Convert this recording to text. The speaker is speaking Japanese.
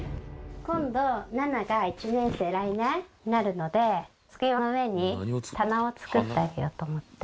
今度ななが１年生来年になるので机の上に棚を作ってあげようと思って。